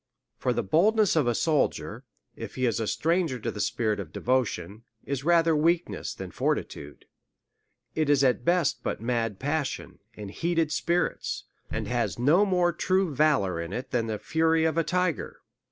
For the boldness of a soldier, if he is a stranger to the spirit of devotion, is rather weakness than fortitude ; it is at best but mad passion, and heated spirits, and has no more true valour in it than the fury of a tiger.